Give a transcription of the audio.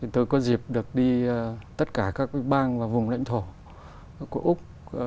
tôi có dịp được đi tất cả các bang và vùng lãnh thổ của úc